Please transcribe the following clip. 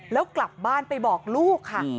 แล้วกลับบ้านไปบอกลูกค่ะ